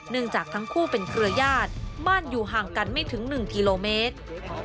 จากทั้งคู่เป็นเครือญาติบ้านอยู่ห่างกันไม่ถึง๑กิโลเมตร